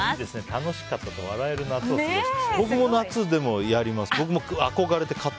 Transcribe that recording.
楽しかったと笑える夏を過ごしたい。